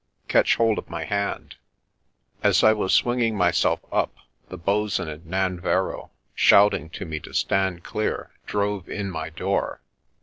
Catch hold of my hand." As I was swinging myself up, the bo'sun and Nan verrow, shouting to me to stand clear, drove in my door.